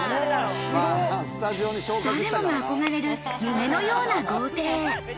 誰もが憧れる夢のような豪邸。